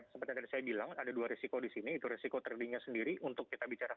seperti yang tadi saya bilang ada dua resiko di sini itu resiko tradingnya sendiri untuk kita bicara